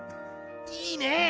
いいね！